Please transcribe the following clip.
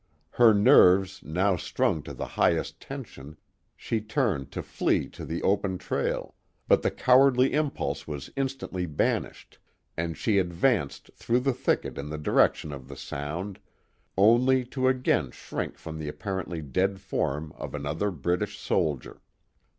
Her nerves now strung to the highest tension, she turned to flee to the open trail, but the cowardly impulse was instantly banished, and she advanced through the thicket in the direction of the sound, only to again shrink from the apparently dead form of another British soldier.